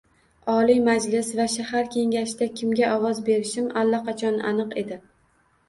Oliy Majlis va shahar kengashida kimga ovoz berishim allaqachon aniq edi